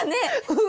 うん！